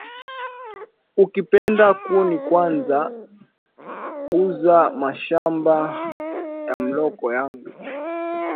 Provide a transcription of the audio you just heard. Uki penda kuni kwaza gusa mashamba ya muloko yangu